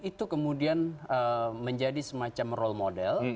itu kemudian menjadi semacam role model